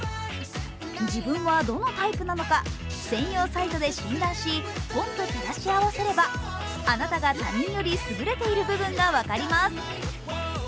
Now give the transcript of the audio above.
自分はどのタイプなのか専用サイトで診断し、本と照らし合わせればあなたが他人より優れている部分が分かります。